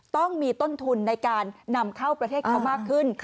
ต้องมีต้นทุนในการนำเข้าประเทศเขามากขึ้น